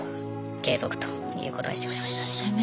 継続ということにしてくれましたね。